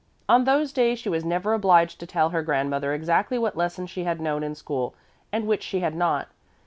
On those days she was never obliged to tell her grandmother exactly what lessons she had known in school and which she had not.